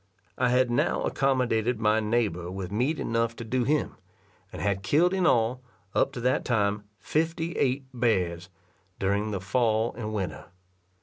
I had now accommodated my neighbour with meat enough to do him, and had killed in all, up to that time, fifty eight bears, during the fall and winter.